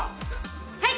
はい！